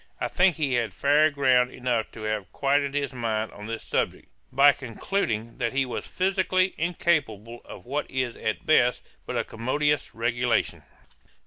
I think he had fair ground enough to have quieted his mind on this subject, by concluding that he was physically incapable of what is at best but a commodious regulation.